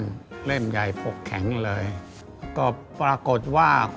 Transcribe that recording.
เปลี่ยนแปลงซึมเช่าแล้วรักใหม่